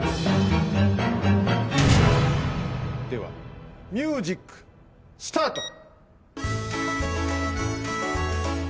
ではミュージックスタート！